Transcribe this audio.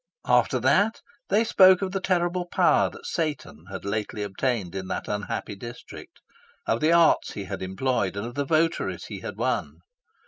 After that they spoke of the terrible power that Satan had lately obtained in that unhappy district, of the arts he had employed, and of the votaries he had won.